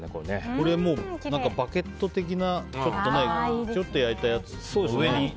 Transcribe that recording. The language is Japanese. これはバゲット的なちょっと焼いたやつの上に。